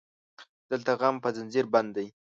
دلته غم په زنځير بند دی